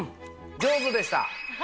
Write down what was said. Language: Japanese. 上手でした。